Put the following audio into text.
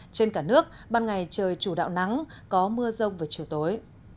trên cả nước ban ngày trời chủ đạo nắng có mưa rông về chiều tối